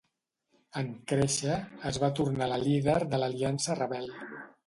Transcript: En créixer, es va tornar la líder de l'Aliança Rebel.